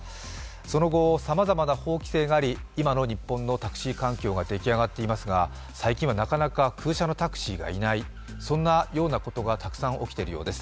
その後、さまざまな法規制があり日本の日本のタクシー環境が出来上がっていますが、最近はなかなか空車のタクシーがいないそんなようなことがたくさん起きているようです。